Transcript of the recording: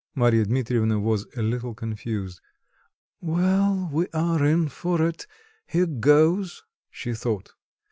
Marya Dmitrievna was a little confused. "Well! we are in for it! here goes!" she thought.